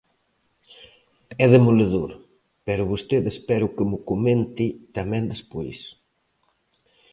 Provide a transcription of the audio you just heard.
É demoledor, pero vostede espero que mo comente tamén despois.